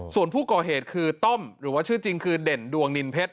ส่วนผู้ก่อเหตุคือต้อมหรือว่าชื่อจริงคือเด่นดวงนินเพชร